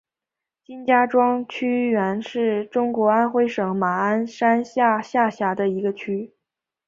金家庄区原是中国安徽省马鞍山市下辖的一个区。